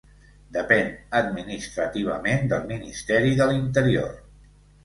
Depèn administrativament del Ministeri de l'Interior.